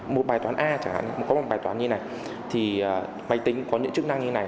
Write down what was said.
một bài toán a chẳng hạn có một bài toán như này thì máy tính có những chức năng như thế này